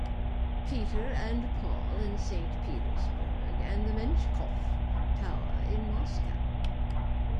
Peter and Paul in Saint Petersburg and the Menshikov tower in Moscow.